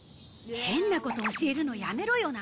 変なこと教えるのやめろよな。